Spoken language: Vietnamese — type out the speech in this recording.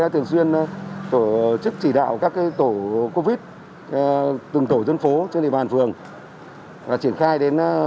thường xuyên tổ chức chỉ đạo các tổ covid từng tổ dân phố trên địa bàn phường triển khai đến